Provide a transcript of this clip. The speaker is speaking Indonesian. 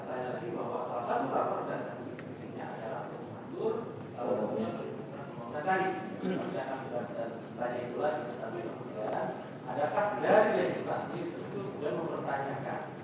saya ingin menjelaskan saya ingin bertanya lagi ada tak bidang legislatif itu sudah mempertanyakan